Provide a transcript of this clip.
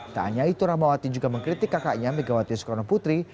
tak hanya itu rahmawati juga mengkritik kakaknya megawati soekarno putri